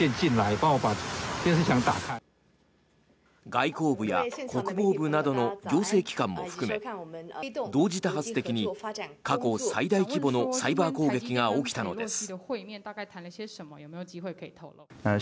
外交部や国防部などの行政機関も含め同時多発的に過去最大規模のサイバー攻撃が起きたのです。